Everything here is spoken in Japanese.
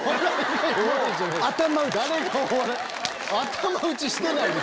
頭打ちしてないです。